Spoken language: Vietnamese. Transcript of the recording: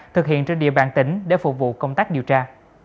thực hiện trên địa bàn tỉnh để phục vụ công tác điều tra